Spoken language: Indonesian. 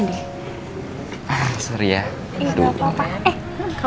nggak apa apa sebentar ya